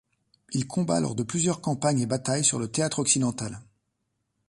Il combat lors de plusieurs campagnes et batailles sur le théâtre occidental.